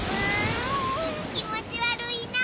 気持ち悪いな。